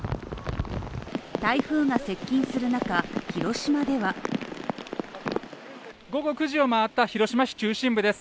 台風が接近する中、広島では午後９時を回った広島市中心部です。